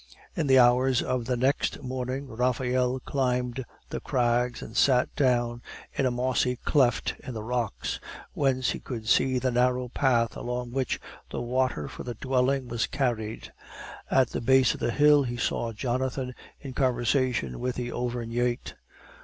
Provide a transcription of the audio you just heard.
In the hours of the next morning, Raphael climbed the crags, and sat down in a mossy cleft in the rocks, whence he could see the narrow path along which the water for the dwelling was carried. At the base of the hill he saw Jonathan in conversation with the Auvergnate.